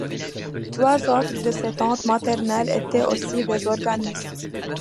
Trois autres de ses tantes maternelles étaient aussi des organistes.